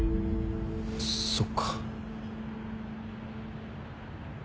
そっか。